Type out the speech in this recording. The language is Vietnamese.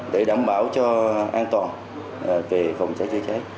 để đảm bảo cho an toàn về phòng cháy chữa cháy